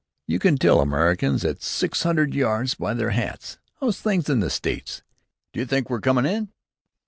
"You can tell Americans at six hundred yards by their hats. How's things in the States? Do you think we're coming in?"